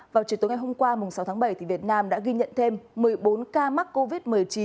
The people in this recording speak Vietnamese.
vào chiều tối ngày hôm qua sáu tháng bảy việt nam đã ghi nhận thêm một mươi bốn ca mắc covid một mươi chín